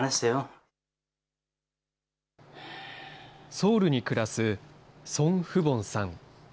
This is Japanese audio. ソウルに暮らすソン・フボンさん。